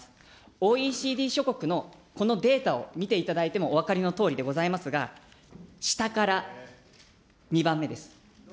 ＯＥＣＤ諸国のこのデータを見ていただいてもお分かりのとおりでございますが、下から２番目です。